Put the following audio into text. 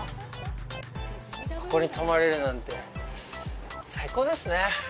ここに泊まれるなんて最高ですね。